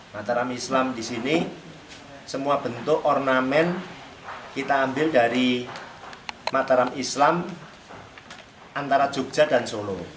mataram islam di sini semua bentuk ornamen kita ambil dari mataram islam antara jogja dan solo